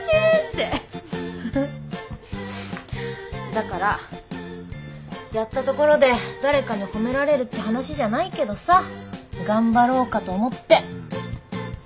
だからやったところで誰かに褒められるって話じゃないけどさ頑張ろうかと思って。